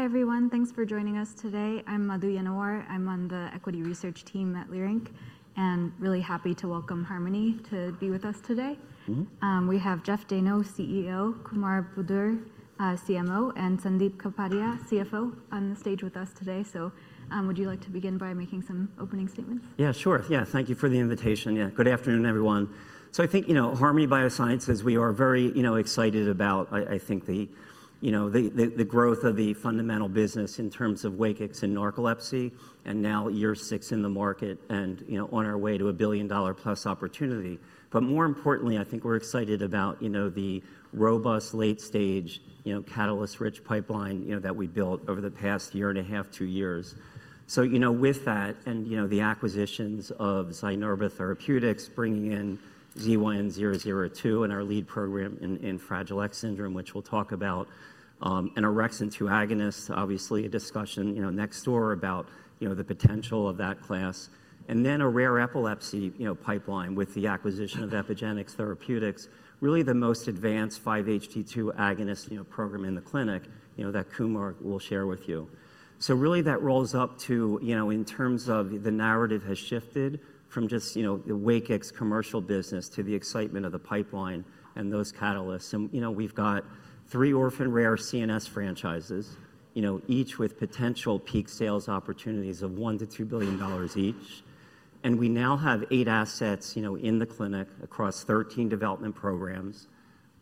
Hi everyone, thanks for joining us today. I'm Mani Foroohar, I'm on the Equity Research Team at Leerink, and really happy to welcome Harmony to be with us today. We have Jeff Dayno, CEO, Kumar Budur, CMO, and Sandip Kapadia, CFO, on the stage with us today. Would you like to begin by making some opening statements? Yeah, sure. Yeah, thank you for the invitation. Yeah, good afternoon, everyone. I think, you know, Harmony Biosciences, we are very, you know, excited about, I think, the, you know, the growth of the fundamental business in terms of WAKIX and narcolepsy, and now year six in the market and, you know, on our way to a billion dollar plus opportunity. More importantly, I think we're excited about, you know, the robust late stage, you know, catalyst-rich pipeline, you know, that we built over the past year and a half, two years. You know, with that, and, you know, the acquisitions of Zynerba Therapeutics, bringing in ZYN002 and our lead program in Fragile X syndrome, which we'll talk about, and our orexin-2 agonists, obviously a discussion, you know, next door about, you know, the potential of that class. And then a rare epilepsy, you know, pipeline with the acquisition of Epygenix Therapeutics, really the most advanced 5-HT2 agonist, you know, program in the clinic, you know, that Kumar will share with you. Really that rolls up to, you know, in terms of the narrative has shifted from just, you know, the WAKIX commercial business to the excitement of the pipeline and those catalysts. You know, we've got three orphan rare CNS franchises, you know, each with potential peak sales opportunities of $1 billion-$2 billion each. We now have eight assets, you know, in the clinic across 13 development programs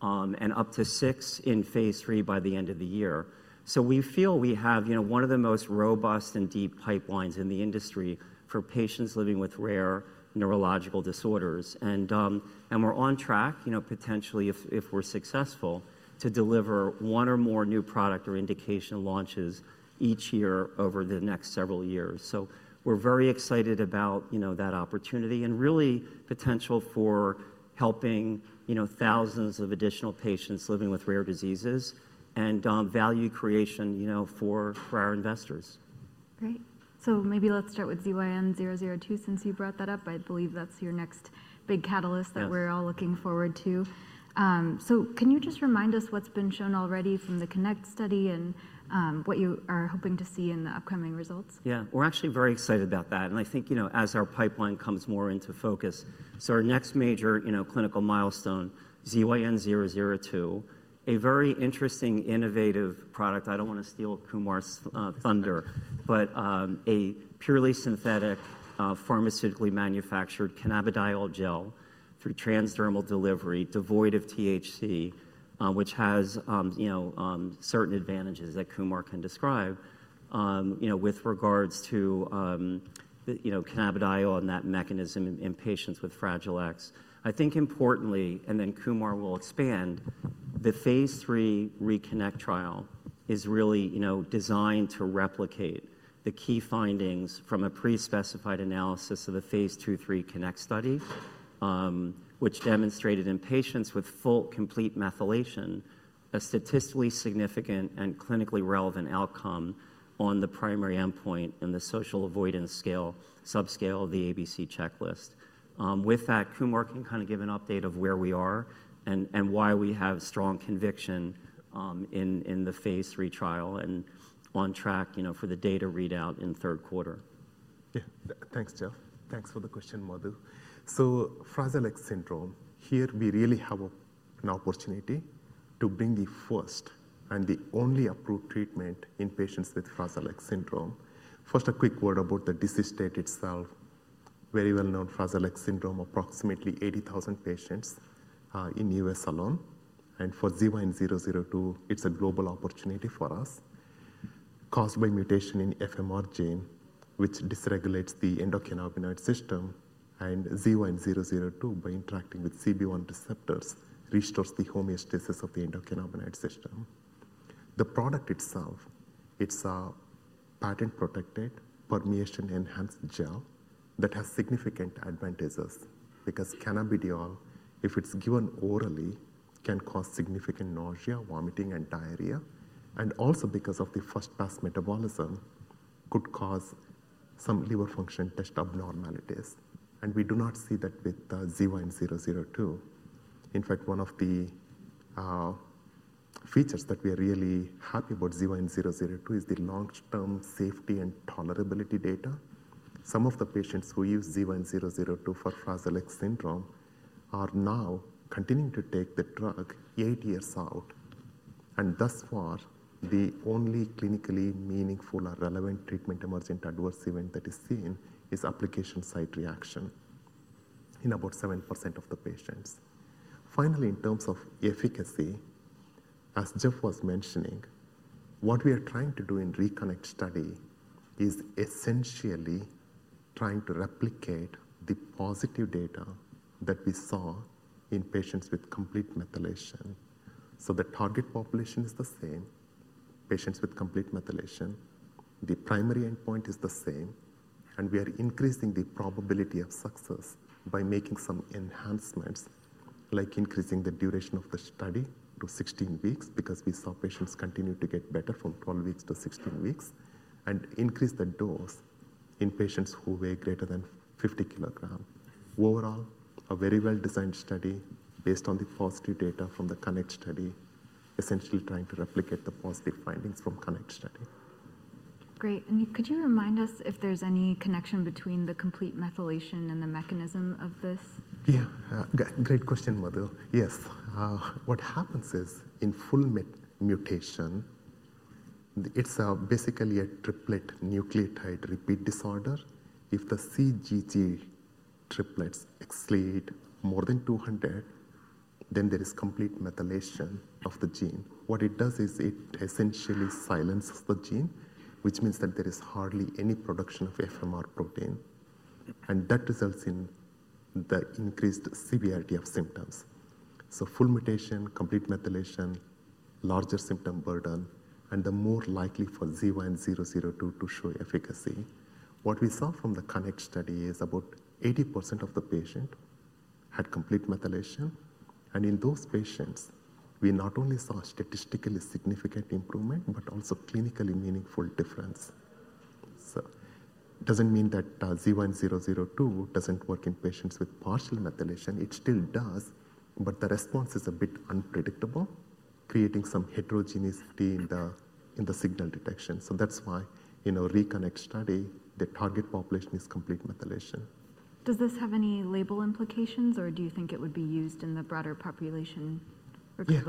and up to six in phase three by the end of the year. We feel we have, you know, one of the most robust and deep pipelines in the industry for patients living with rare neurological disorders. We're on track, you know, potentially, if we're successful, to deliver one or more new product or indication launches each year over the next several years. We're very excited about, you know, that opportunity and really potential for helping, you know, thousands of additional patients living with rare diseases and value creation, you know, for our investors. Great. Maybe let's start with ZYN002 since you brought that up. I believe that's your next big catalyst that we're all looking forward to. Can you just remind us what's been shown already from the CONNECT study and what you are hoping to see in the upcoming results? Yeah, we're actually very excited about that. I think, you know, as our pipeline comes more into focus, our next major, you know, clinical milestone, ZYN002, a very interesting, innovative product. I don't want to steal Kumar's thunder, but a purely synthetic, pharmaceutically manufactured cannabidiol gel through transdermal delivery, devoid of THC, which has, you know, certain advantages that Kumar can describe, you know, with regards to, you know, cannabidiol and that mechanism in patients with Fragile X. I think importantly, and then Kumar will expand, the phase three RECONNECT trial is really, you know, designed to replicate the key findings from a pre-specified analysis of the phase two three CONNECT study, which demonstrated in patients with full complete methylation a statistically significant and clinically relevant outcome on the primary endpoint in the social avoidance scale, subscale of the ABC checklist. With that, Kumar can kind of give an update of where we are and why we have strong conviction in the phase three trial and on track, you know, for the data readout in third quarter. Yeah, thanks, Jeff. Thanks for the question, Mani. Fragile X syndrome, here we really have an opportunity to bring the first and the only approved treatment in patients with Fragile X syndrome. First, a quick word about the disease state itself. Very well-known Fragile X syndrome, approximately 80,000 patients in the U.S. alone. For ZYN002, it's a global opportunity for us. Caused by mutation in FMR1 gene, which disregulates the endocannabinoid system, and ZYN002, by interacting with CB1 receptors, restores the homeostasis of the endocannabinoid system. The product itself, it's a patent-protected permeation-enhanced gel that has significant advantages because cannabidiol, if it's given orally, can cause significant nausea, vomiting, and diarrhea. Also because of the first-pass metabolism, could cause some liver function test abnormalities. We do not see that with ZYN002. In fact, one of the features that we are really happy about ZYN002 is the long-term safety and tolerability data. Some of the patients who use ZYN002 for Fragile X syndrome are now continuing to take the drug eight years out. Thus far, the only clinically meaningful or relevant treatment emergent adverse event that is seen is application site reaction in about 7% of the patients. Finally, in terms of efficacy, as Jeff was mentioning, what we are trying to do in RECONNECT study is essentially trying to replicate the positive data that we saw in patients with complete methylation. The target population is the same, patients with complete methylation, the primary endpoint is the same, and we are increasing the probability of success by making some enhancements, like increasing the duration of the study to 16 weeks because we saw patients continue to get better from 12 weeks to 16 weeks, and increase the dose in patients who weigh greater than 50 kilograms. Overall, a very well-designed study based on the positive data from the CONNECT study, essentially trying to replicate the positive findings from CONNECT study. Great. Could you remind us if there's any connection between the complete methylation and the mechanism of this? Yeah, great question, Mani. Yes. What happens is in full mutation, it's basically a triplet nucleotide repeat disorder. If the CGG triplets exceed more than 200, then there is complete methylation of the gene. What it does is it essentially silences the gene, which means that there is hardly any production of FMR protein. That results in the increased severity of symptoms. Full mutation, complete methylation, larger symptom burden, and the more likely for ZYN002 to show efficacy. What we saw from the CONNECT study is about 80% of the patients had complete methylation. In those patients, we not only saw statistically significant improvement, but also clinically meaningful difference. It doesn't mean that ZYN002 doesn't work in patients with partial methylation. It still does, but the response is a bit unpredictable, creating some heterogeneity in the signal detection. That's why, you know, RECONNECT study, the target population is complete methylation. Does this have any label implications, or do you think it would be used in the broader population? Yeah,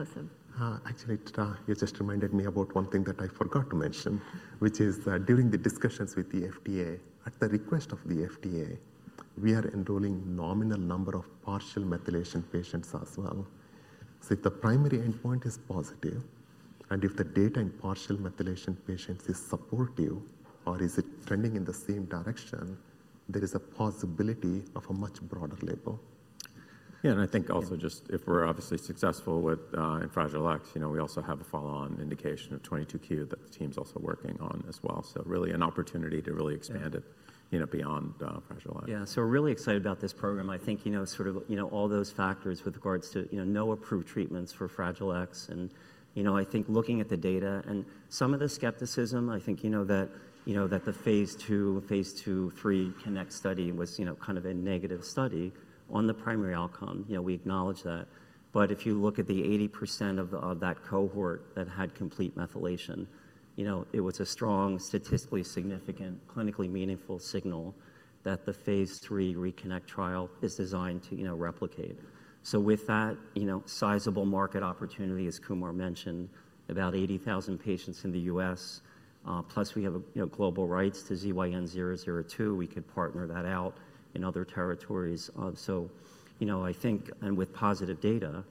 actually, you just reminded me about one thing that I forgot to mention, which is that during the discussions with the FDA, at the request of the FDA, we are enrolling a nominal number of partial methylation patients as well. If the primary endpoint is positive, and if the data in partial methylation patients is supportive, or is it trending in the same direction, there is a possibility of a much broader label. Yeah, and I think also just if we're obviously successful with Fragile X, you know, we also have a follow-on indication of 22q that the team's also working on as well. Really an opportunity to really expand it, you know, beyond Fragile X. Yeah. We're really excited about this program. I think, you know, sort of, you know, all those factors with regards to, you know, no approved treatments for Fragile X. And, you know, I think looking at the data and some of the skepticism, I think, you know, that, you know, that the phase two, phase two, three CONNECT study was, you know, kind of a negative study on the primary outcome, you know, we acknowledge that. If you look at the 80% of that cohort that had complete methylation, you know, it was a strong, statistically significant, clinically meaningful signal that the phase three RECONNECT trial is designed to, you know, replicate. With that, you know, sizable market opportunity, as Kumar mentioned, about 80,000 patients in the U.S., plus we have a, you know, global rights to ZYN002, we could partner that out in other territories. You know, I think, and with positive data,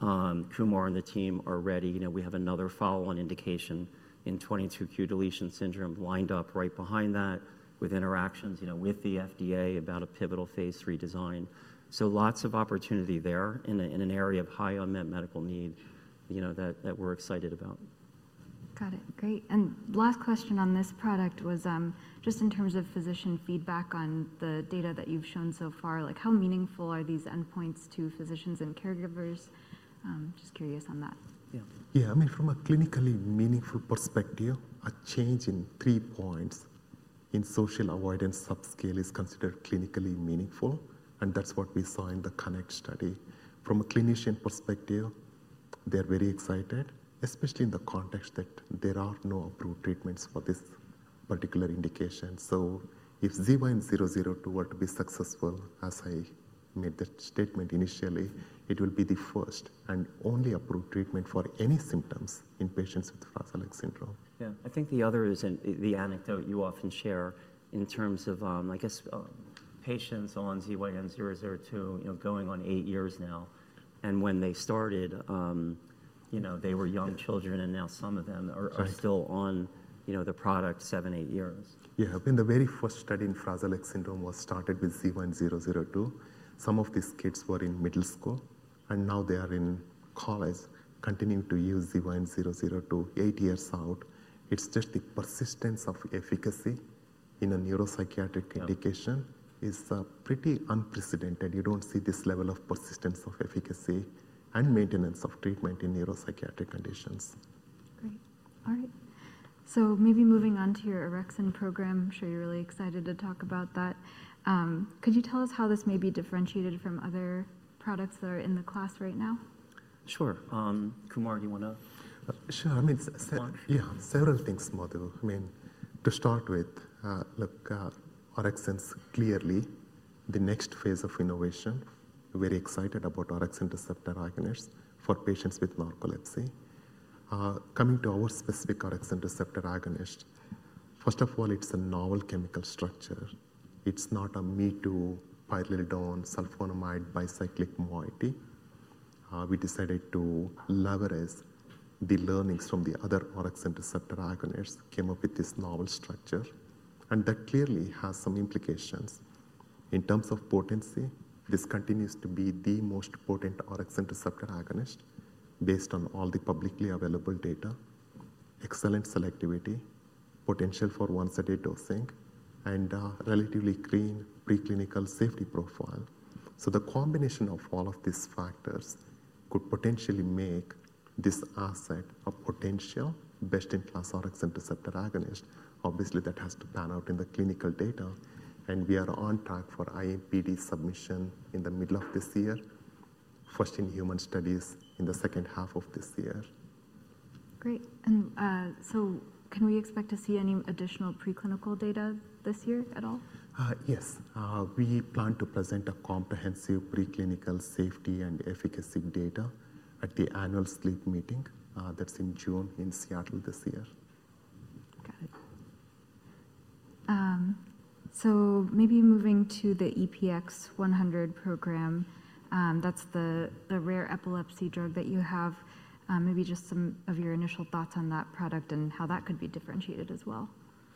Kumar and the team are ready, you know, we have another follow-on indication in 22q11.2 deletion syndrome lined up right behind that with interactions, you know, with the FDA about a pivotal phase three design. Lots of opportunity there in an area of high unmet medical need, you know, that we're excited about. Got it. Great. Last question on this product was just in terms of physician feedback on the data that you've shown so far, like how meaningful are these endpoints to physicians and caregivers? Just curious on that. Yeah, I mean, from a clinically meaningful perspective, a change in three points in social avoidance subscale is considered clinically meaningful. That is what we saw in the CONNECT study. From a clinician perspective, they are very excited, especially in the context that there are no approved treatments for this particular indication. If ZYN002 were to be successful, as I made the statement initially, it will be the first and only approved treatment for any symptoms in patients with Fragile X syndrome. Yeah, I think the other is the anecdote you often share in terms of, I guess, patients on ZYN002, you know, going on eight years now. And when they started, you know, they were young children, and now some of them are still on, you know, the product seven, eight years. Yeah, when the very first study in Fragile X syndrome was started with ZYN002, some of these kids were in middle school, and now they are in college, continuing to use ZYN002 eight years out. It's just the persistence of efficacy in a neuropsychiatric indication is pretty unprecedented. You don't see this level of persistence of efficacy and maintenance of treatment in neuropsychiatric conditions. Great. All right. Maybe moving on to your Rexin program, I'm sure you're really excited to talk about that. Could you tell us how this may be differentiated from other products that are in the class right now? Sure. Kumar, do you want to? Sure. I mean, yeah, several things, Mani. I mean, to start with, look, orexin is clearly the next phase of innovation, very excited about orexin-2 receptor agonists for patients with narcolepsy. Coming to our specific orexin-2 receptor agonist, first of all, it's a novel chemical structure. It's not a me-too, pyridinone, sulfonamide, bicyclic moiety. We decided to leverage the learnings from the other orexin-2 receptor agonists, came up with this novel structure. That clearly has some implications. In terms of potency, this continues to be the most potent orexin-2 receptor agonist based on all the publicly available data, excellent selectivity, potential for once-a-day dosing, and relatively clean preclinical safety profile. The combination of all of these factors could potentially make this asset a potential best-in-class orexin-2 receptor agonist. Obviously, that has to pan out in the clinical data. We are on track for IAPD submission in the middle of this year, first in human studies in the second half of this year. Great. Can we expect to see any additional preclinical data this year at all? Yes. We plan to present a comprehensive preclinical safety and efficacy data at the annual sleep meeting that's in June in Seattle this year. Got it. Maybe moving to the EPX-100 program, that's the rare epilepsy drug that you have, maybe just some of your initial thoughts on that product and how that could be differentiated as well.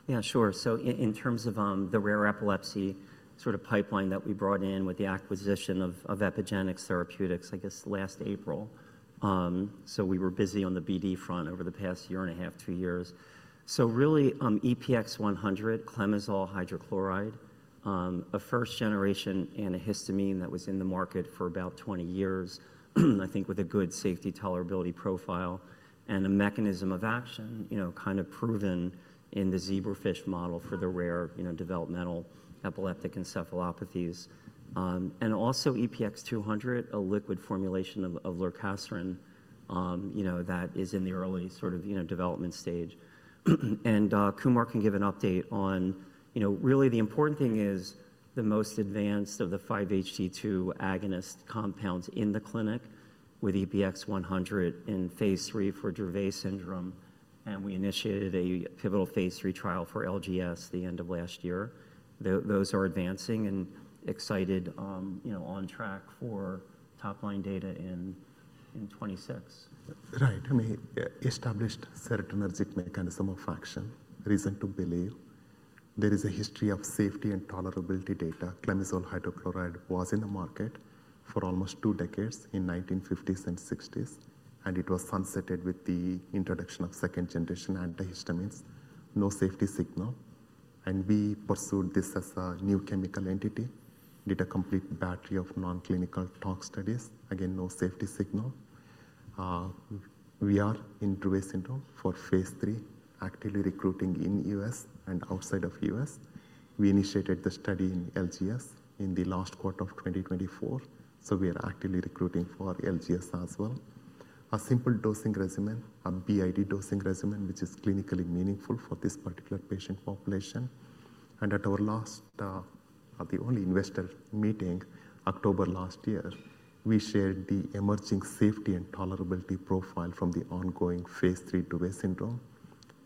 Yeah, sure. In terms of the rare epilepsy sort of pipeline that we brought in with the acquisition of Epygenix Therapeutics, I guess last April. We were busy on the BD front over the past year and a half, two years. Really EPX-100, clemizole hydrochloride, a first-generation antihistamine that was in the market for about 20 years, I think with a good safety tolerability profile, and a mechanism of action, you know, kind of proven in the zebrafish model for the rare, you know, developmental epileptic encephalopathies. Also EPX-200, a liquid formulation of lorcaserin, you know, that is in the early sort of, you know, development stage. Kumar can give an update on, you know, really the important thing is the most advanced of the 5-HT2 agonist compounds in the clinic with EPX-100 in phase three for Dravet syndrome. We initiated a pivotal phase three trial for LGS at the end of last year. Those are advancing and excited, you know, on track for top-line data in 2026. Right. I mean, established certain mechanism of action, reason to believe. There is a history of safety and tolerability data. Clemizole hydrochloride was in the market for almost two decades in the 1950s and 1960s. It was sunsetted with the introduction of second-generation antihistamines, no safety signal. We pursued this as a new chemical entity, did a complete battery of non-clinical tox studies, again, no safety signal. We are in Dravet syndrome for phase 3, actively recruiting in the U.S. and outside of the U.S. We initiated the study in LGS in the last quarter of 2024. We are actively recruiting for LGS as well. A simple dosing regimen, a BID dosing regimen, which is clinically meaningful for this particular patient population. At our last, the only investor meeting October last year, we shared the emerging safety and tolerability profile from the ongoing phase 3 Dravet syndrome.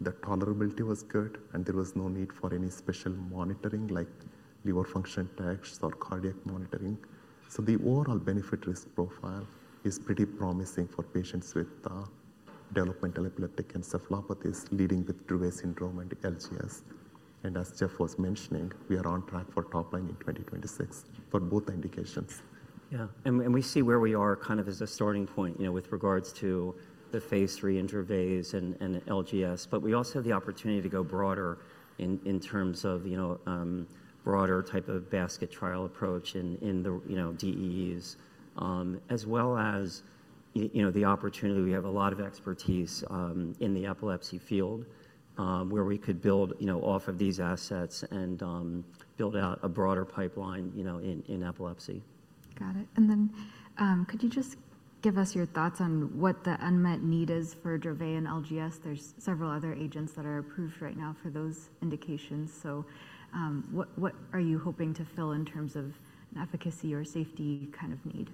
The tolerability was good, and there was no need for any special monitoring like liver function tests or cardiac monitoring. The overall benefit risk profile is pretty promising for patients with developmental epileptic encephalopathies leading with Dravet syndrome and LGS. As Jeff was mentioning, we are on track for top-line in 2026 for both indications. Yeah. We see where we are kind of as a starting point, you know, with regards to the phase three in Dravet and LGS. We also have the opportunity to go broader in terms of, you know, a broader type of basket trial approach in the, you know, developmental epileptic encephalopathies, as well as, you know, the opportunity. We have a lot of expertise in the epilepsy field where we could build, you know, off of these assets and build out a broader pipeline, you know, in epilepsy. Got it. Could you just give us your thoughts on what the unmet need is for Dravet and LGS? There are several other agents that are approved right now for those indications. What are you hoping to fill in terms of efficacy or safety kind of need?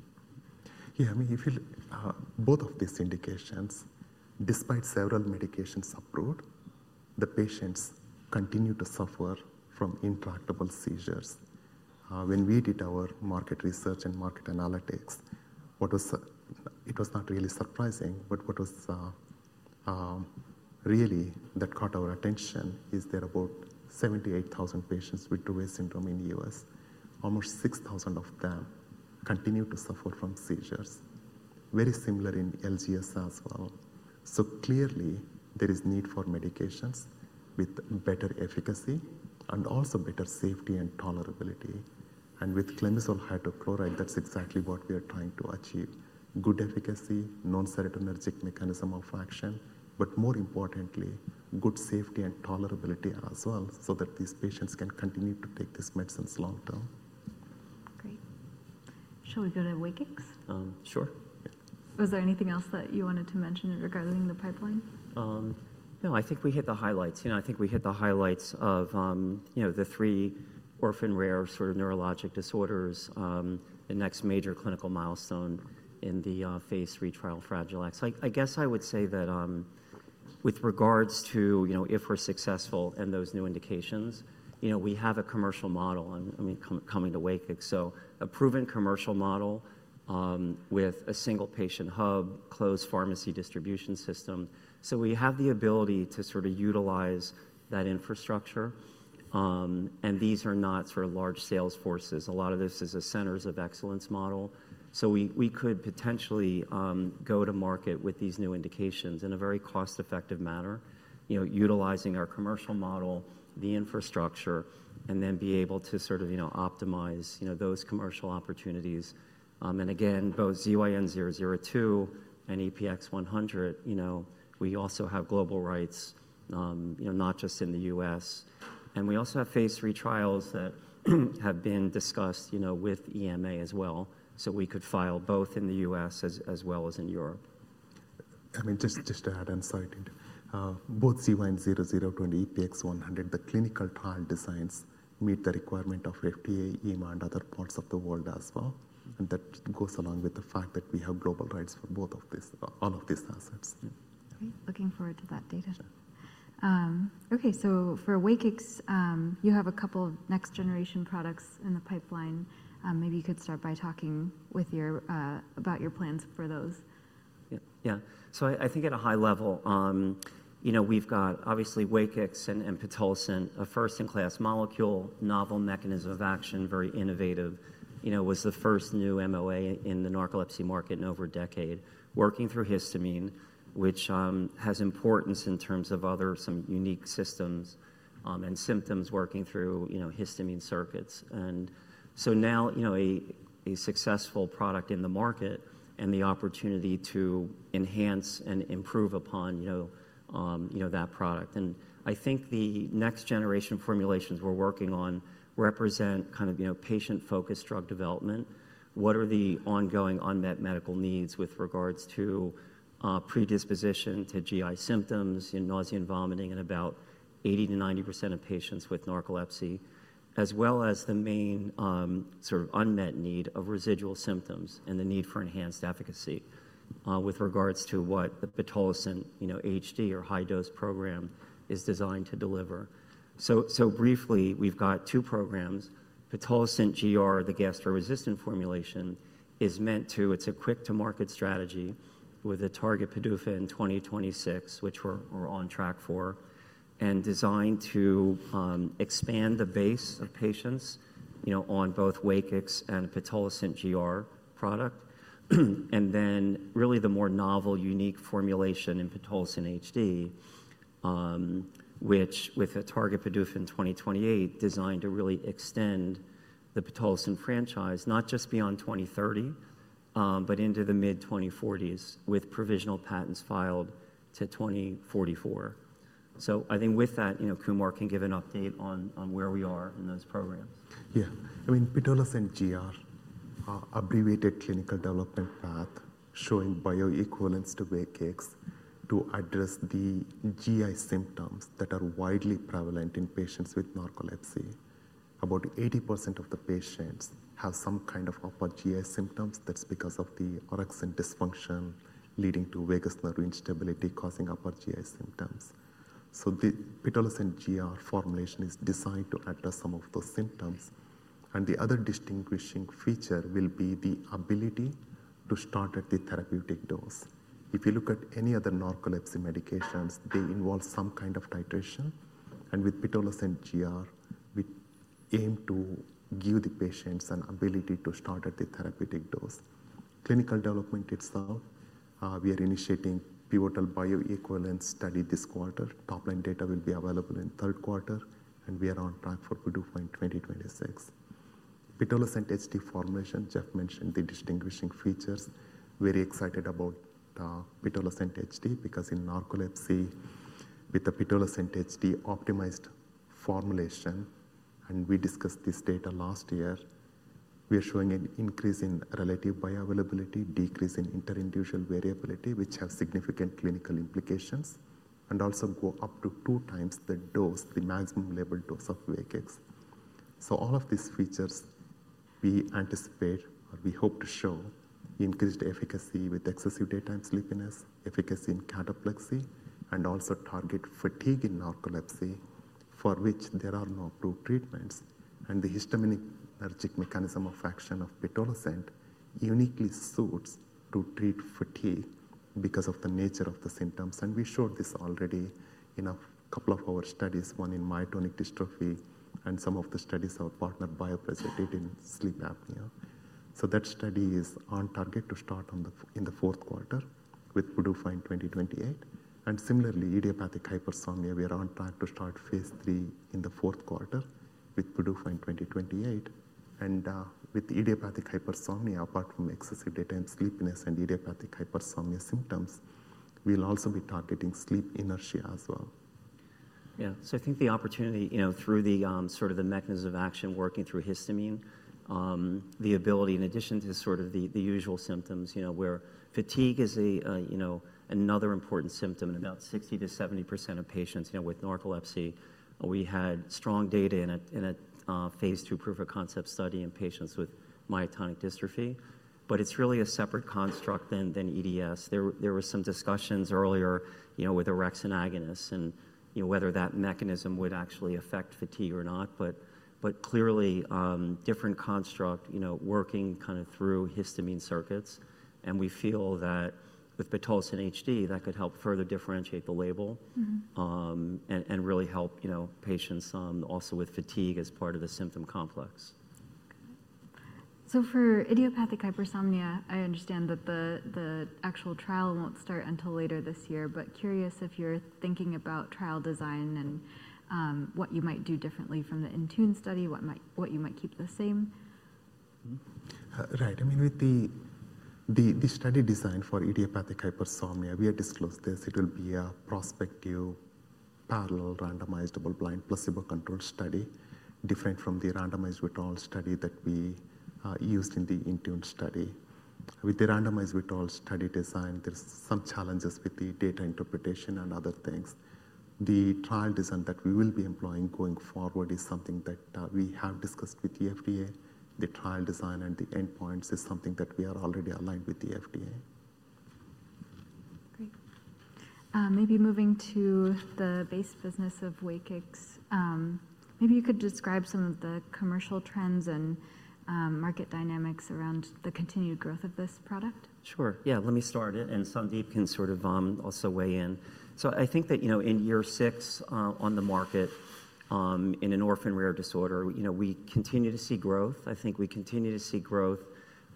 Yeah, I mean, if you look at both of these indications, despite several medications approved, the patients continue to suffer from intractable seizures. When we did our market research and market analytics, what was, it was not really surprising, but what was really that caught our attention is there are about 78,000 patients with Dravet syndrome in the U.S. Almost 6,000 of them continue to suffer from seizures. Very similar in LGS as well. Clearly, there is need for medications with better efficacy and also better safety and tolerability. With clemizole hydrochloride, that's exactly what we are trying to achieve. Good efficacy, known serotonergic mechanism of action, but more importantly, good safety and tolerability as well so that these patients can continue to take these medicines long term. Great. Shall we go to WAKIX? Sure. Was there anything else that you wanted to mention regarding the pipeline? No, I think we hit the highlights. You know, I think we hit the highlights of, you know, the three orphan rare sort of neurologic disorders, the next major clinical milestone in the phase three trial Fragile X. I guess I would say that with regards to, you know, if we're successful in those new indications, you know, we have a commercial model, I mean, coming to WAKIX. A proven commercial model with a single patient hub, closed pharmacy distribution system. We have the ability to sort of utilize that infrastructure. These are not sort of large sales forces. A lot of this is a centers of excellence model. We could potentially go to market with these new indications in a very cost-effective manner, you know, utilizing our commercial model, the infrastructure, and then be able to sort of, you know, optimize, you know, those commercial opportunities. Again, both ZYN002 and EPX-100, you know, we also have global rights, you know, not just in the U.S. We also have phase three trials that have been discussed, you know, with EMA as well. We could file both in the U.S. as well as in Europe. I mean, just to add insight, both ZYN002 and EPX-100, the clinical trial designs meet the requirement of FDA, EMA, and other parts of the world as well. That goes along with the fact that we have global rights for both of these, all of these assets. Great. Looking forward to that data. Okay. For WAKIX, you have a couple of next-generation products in the pipeline. Maybe you could start by talking about your plans for those. Yeah. So I think at a high level, you know, we've got obviously WAKIX and pitolisant, a first-in-class molecule, novel mechanism of action, very innovative. You know, it was the first new MOA in the narcolepsy market in over a decade, working through histamine, which has importance in terms of other some unique systems and symptoms working through, you know, histamine circuits. You know, a successful product in the market and the opportunity to enhance and improve upon, you know, you know, that product. I think the next-generation formulations we're working on represent kind of, you know, patient-focused drug development. What are the ongoing unmet medical needs with regards to predisposition to GI symptoms and nausea and vomiting in about 80-90% of patients with narcolepsy, as well as the main sort of unmet need of residual symptoms and the need for enhanced efficacy with regards to what the pitolisant, you know, HD or high-dose program is designed to deliver. Briefly, we've got two programs. Pitolisant GR, the gastro-resistant formulation, is meant to, it's a quick-to-market strategy with a target PDUFA in 2026, which we're on track for, and designed to expand the base of patients, you know, on both WAKIX and pitolisant GR product. Really the more novel unique formulation is pitolisant HD, which with a target PDUFA in 2028, is designed to really extend the pitolisant franchise, not just beyond 2030, but into the mid-2040s with provisional patents filed to 2044. I think with that, you know, Kumar can give an update on where we are in those programs. Yeah. I mean, Pitolisant GR, abbreviated clinical development path, showing bioequivalence to WAKIX to address the GI symptoms that are widely prevalent in patients with narcolepsy. About 80% of the patients have some kind of upper GI symptoms. That's because of the orexin dysfunction leading to vagus nerve instability causing upper GI symptoms. Pitolisant GR formulation is designed to address some of those symptoms. The other distinguishing feature will be the ability to start at the therapeutic dose. If you look at any other narcolepsy medications, they involve some kind of titration. With Pitolisant GR, we aim to give the patients an ability to start at the therapeutic dose. Clinical development itself, we are initiating pivotal bioequivalence study this quarter. Top-line data will be available in third quarter. We are on track for PDUFA in 2026. Pitolisant HD formulation, Jeff mentioned the distinguishing features. Very excited about Pitolisant HD because in narcolepsy with the Pitolisant HD optimized formulation, and we discussed this data last year, we are showing an increase in relative bioavailability, decrease in interindividual variability, which have significant clinical implications, and also go up to two times the dose, the maximum labeled dose of WAKIX. All of these features we anticipate, or we hope to show increased efficacy with excessive daytime sleepiness, efficacy in cataplexy, and also target fatigue in narcolepsy for which there are no approved treatments. The histaminergic mechanism of action of Pitolisant uniquely suits to treat fatigue because of the nature of the symptoms. We showed this already in a couple of our studies, one in myotonic dystrophy and some of the studies our partner Bioprojet presented in sleep apnea. That study is on target to start in the fourth quarter with PDUFA in 2028. Similarly, idiopathic hypersomnia, we are on track to start phase three in the fourth quarter with PDUFA in 2028. With idiopathic hypersomnia, apart from excessive daytime sleepiness and idiopathic hypersomnia symptoms, we'll also be targeting sleep inertia as well. Yeah. I think the opportunity, you know, through the sort of the mechanism of action working through histamine, the ability, in addition to sort of the usual symptoms, you know, where fatigue is a, you know, another important symptom in about 60-70% of patients, you know, with narcolepsy, we had strong data in a phase two proof of concept study in patients with myotonic dystrophy. It is really a separate construct than EDS. There were some discussions earlier, you know, with an orexin-2 agonist and, you know, whether that mechanism would actually affect fatigue or not. Clearly, different construct, you know, working kind of through histamine circuits. We feel that with Pitolisant HD, that could help further differentiate the label and really help, you know, patients also with fatigue as part of the symptom complex. For idiopathic hypersomnia, I understand that the actual trial will not start until later this year, but curious if you are thinking about trial design and what you might do differently from the Intune study, what you might keep the same. Right. I mean, with the study design for idiopathic hypersomnia, we had disclosed this. It will be a prospective parallel randomizable blind placebo-controlled study, different from the randomized withdrawal study that we used in the Intune study. With the randomized withdrawal study design, there's some challenges with the data interpretation and other things. The trial design that we will be employing going forward is something that we have discussed with the FDA. The trial design and the endpoints is something that we are already aligned with the FDA. Great. Maybe moving to the base business of WAKIX, maybe you could describe some of the commercial trends and market dynamics around the continued growth of this product. Sure. Yeah. Let me start it and Sandip can sort of also weigh in. I think that, you know, in year six on the market in an orphan rare disorder, you know, we continue to see growth. I think we continue to see growth,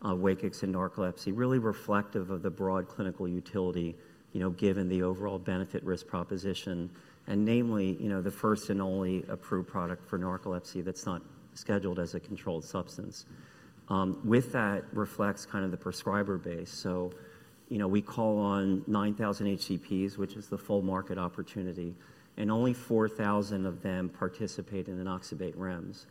WAKIX and narcolepsy, really reflective of the broad clinical utility, you know, given the overall benefit risk proposition. Namely, you know, the first and only approved product for narcolepsy that's not scheduled as a controlled substance. That reflects kind of the prescriber base. You know, we call on 9,000 HCPs, which is the full market opportunity, and only 4,000 of them participate in the oxybate REMS.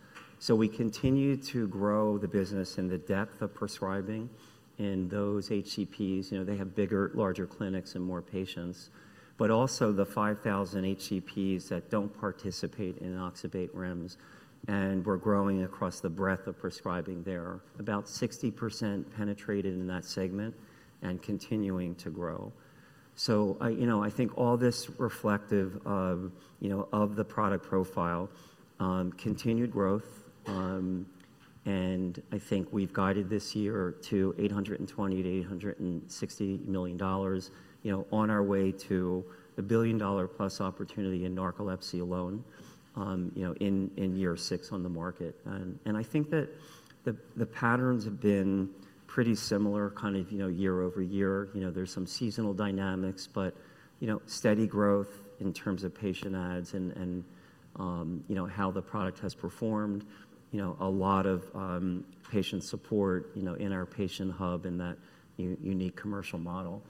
We continue to grow the business and the depth of prescribing in those HCPs. You know, they have bigger, larger clinics and more patients, but also the 5,000 HCPs that don't participate in oxybate REMS. We're growing across the breadth of prescribing there, about 60% penetrated in that segment and continuing to grow. I think all this is reflective, you know, of the product profile, continued growth. I think we've guided this year to $820 million-$860 million, you know, on our way to a billion dollar plus opportunity in narcolepsy alone, you know, in year six on the market. I think that the patterns have been pretty similar kind of, you know, year over year. There's some seasonal dynamics, but, you know, steady growth in terms of patient ads and, you know, how the product has performed, you know, a lot of patient support, you know, in our patient hub in that unique commercial model.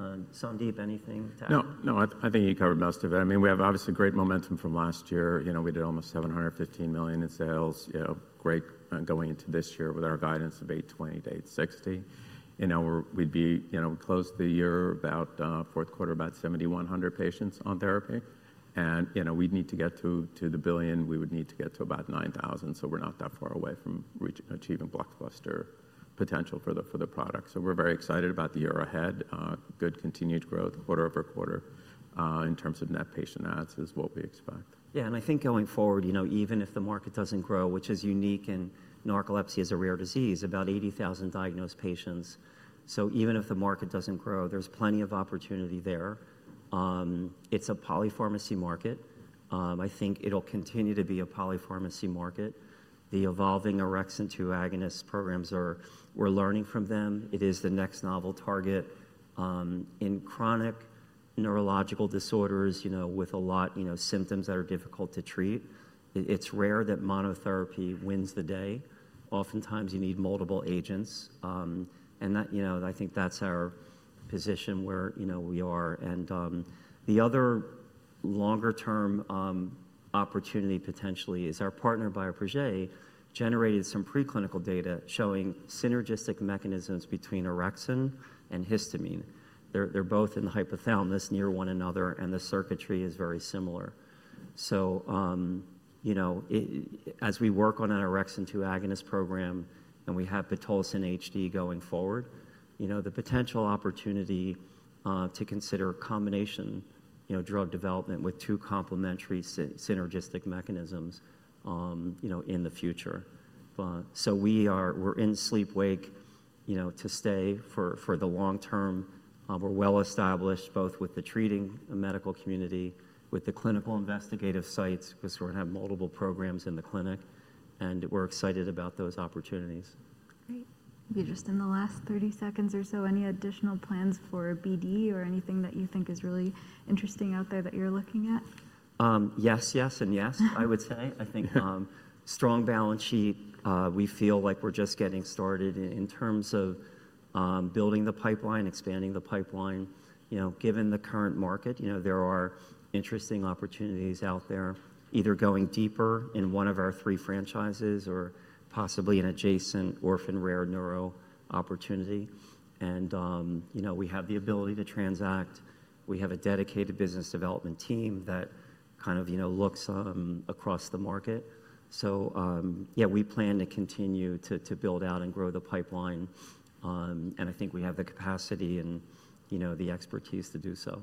Sandip, anything to add? No, no. I think you covered most of it. I mean, we have obviously great momentum from last year. You know, we did almost $715 million in sales, you know, great going into this year with our guidance of $820 million-$860 million. You know, we'd be, you know, close the year about fourth quarter, about 7,100 patients on therapy. You know, we'd need to get to the billion. We would need to get to about 9,000. We are not that far away from achieving blockbuster potential for the product. We are very excited about the year ahead. Good continued growth quarter over quarter in terms of net patient adds is what we expect. Yeah. I think going forward, you know, even if the market doesn't grow, which is unique in narcolepsy as a rare disease, about 80,000 diagnosed patients. Even if the market doesn't grow, there's plenty of opportunity there. It's a polypharmacy market. I think it'll continue to be a polypharmacy market. The evolving orexin-2 agonist programs are, we're learning from them. It is the next novel target in chronic neurological disorders, you know, with a lot, you know, symptoms that are difficult to treat. It's rare that monotherapy wins the day. Oftentimes you need multiple agents. I think that's our position where, you know, we are. The other longer-term opportunity potentially is our partner Bioprojet generated some preclinical data showing synergistic mechanisms between orexin and histamine. They're both in the hypothalamus near one another, and the circuitry is very similar. You know, as we work on an orexin-2 agonist program and we have Pitolisant HD going forward, you know, the potential opportunity to consider a combination, you know, drug development with two complementary synergistic mechanisms, you know, in the future. We are in sleep, wake, you know, to stay for the long term. We're well established both with the treating medical community, with the clinical investigative sites, because we're going to have multiple programs in the clinic. And we're excited about those opportunities. Great. Just in the last 30 seconds or so, any additional plans for BD or anything that you think is really interesting out there that you're looking at? Yes, yes, and yes, I would say. I think strong balance sheet. We feel like we're just getting started in terms of building the pipeline, expanding the pipeline. You know, given the current market, you know, there are interesting opportunities out there, either going deeper in one of our three franchises or possibly an adjacent orphan rare neuro opportunity. You know, we have the ability to transact. We have a dedicated business development team that kind of, you know, looks across the market. Yeah, we plan to continue to build out and grow the pipeline. I think we have the capacity and, you know, the expertise to do so.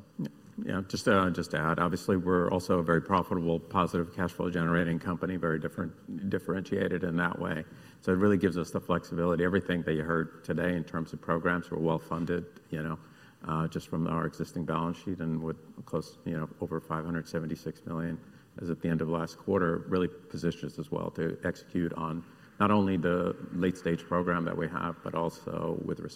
Yeah. Just to add, obviously we're also a very profitable, positive cash flow generating company, very differentiated in that way. It really gives us the flexibility. Everything that you heard today in terms of programs, we're well funded, you know, just from our existing balance sheet and with close, you know, over $576 million as at the end of last quarter, really positions us well to execute on not only the late stage program that we have, but also with.